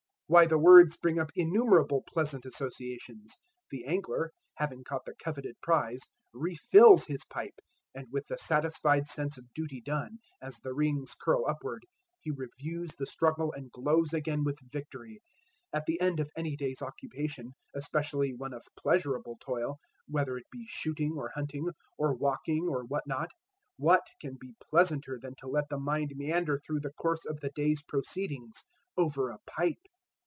Why the words bring up innumerable pleasant associations. The angler, having caught the coveted prize, refills his pipe, and with the satisfied sense of duty done, as the rings curl upward he reviews the struggle and glows again with victory. At the end of any day's occupation, especially one of pleasurable toil whether it be shooting or hunting, or walking or what not what can be pleasanter than to let the mind meander through the course of the day's proceedings over a pipe?